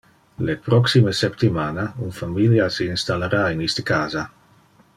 Le proxime septimana, un familia se installara in iste casa.